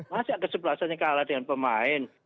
masa kesebelasannya kalah dengan pemain